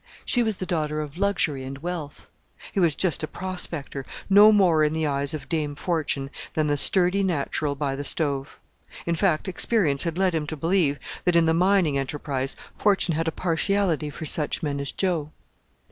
She was the daughter of luxury and wealth. He was just a prospector, no more in the eyes of Dame Fortune than the sturdy natural by the stove: in fact, experience had led him to believe that in the mining enterprise Fortune had a partiality for such men as Joe.